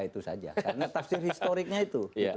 itu saja karena tafsir historiknya itu